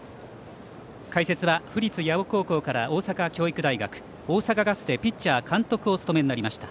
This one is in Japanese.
解説は府立八尾高校から大阪教育大学大阪ガスでピッチャー、監督をお務めになりました。